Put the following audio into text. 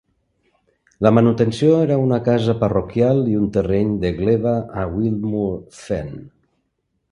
La manutenció era una casa parroquial i un terreny de gleva a Wildmoor Fen.